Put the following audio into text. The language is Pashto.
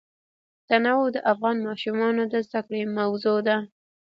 تنوع د افغان ماشومانو د زده کړې موضوع ده.